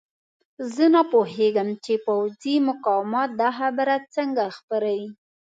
زه نه پوهېږم چې پوځي مقامات دا خبره څنګه خپروي.